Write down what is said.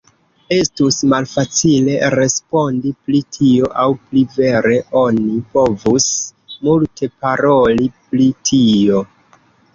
Estus malfacile respondi pri tio, aŭ pli vere oni povus multe paroli pri tio.